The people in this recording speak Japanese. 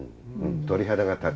「鳥肌が立つ」